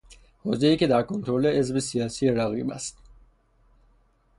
حوزهای که در کنترل حزب سیاسی رقیب است.